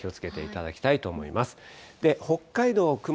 気をつけていただきたいと思います。